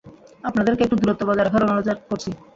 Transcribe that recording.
আপনাদেরকে একটু দূরত্ব বজায় রাখার অনুরোধ করছি।